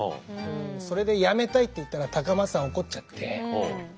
それで辞めたいって言ったら高松藩怒っちゃって。